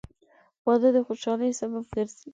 • واده د خوشحالۍ سبب ګرځي.